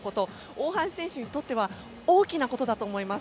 大橋選手にとっては大きなことだと思います。